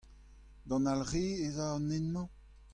D'an Alre ez a an hent-mañ ?